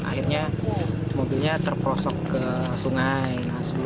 akhirnya mobilnya terperosok ke sungai